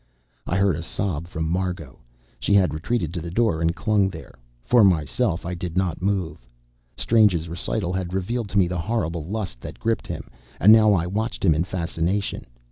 I heard a sob from Margot. She had retreated to the door, and clung there. For myself, I did not move. Strange's recital had revealed to me the horrible lust that gripped him, and now I watched him in fascination.